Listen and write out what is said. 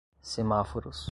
semáforos